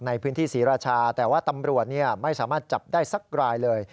ในพื้นที่ศรีราชาแต่ว่าตำรวจไม่สามารถจับได้สักรายเลย